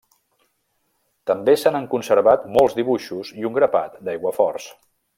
També se n'han conservat molts dibuixos i un grapat d'aiguaforts.